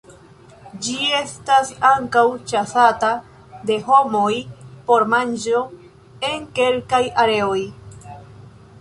Ĝi estas ankaŭ ĉasata de homoj por manĝo en kelkaj areoj.